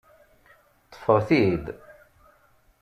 Ṭṭfeɣ-t-id!